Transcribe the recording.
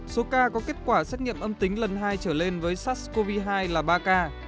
số ca có kết quả xét nghiệm âm tính lần hai trở lên với sars cov hai là ba ca